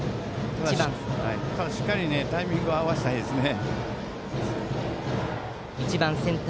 市立和歌山はしっかりタイミングを合わせたいですね。